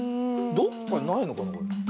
どっかにないのかな？